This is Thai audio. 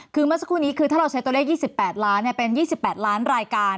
คือเมื่อสักครู่นี้คือถ้าเราใช้ตัวเลข๒๘ล้านเป็น๒๘ล้านรายการ